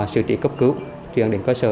xử trị cấp cứu chuyển đến cơ sở